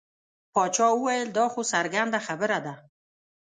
باچا وویل دا خو څرګنده خبره ده.